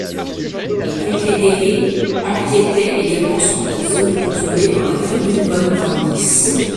Les Confédérés empiétaient également sur la zone contrôlée par la famille von Brandis.